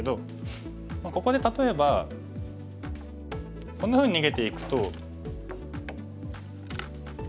ここで例えばこんなふうに逃げていくと。